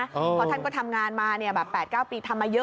อ๋อพอท่านก็ทำงานมาเนี้ยแบบแปดเก้าปีทำมาเยอะ